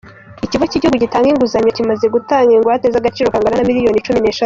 Ikigo kigihugu gitanga inguzanyo kimaze gutanga ingwate z’agaciro kangana na miliyoni cumi neshatu